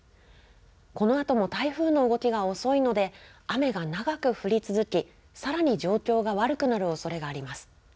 このあとも台風の動きが遅いので雨が長く降り続きさらに状況が悪くなるおそれがあります。